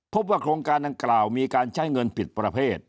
พบว่าโครงการดังกล่าวมีการใช้เงินผิดประเภท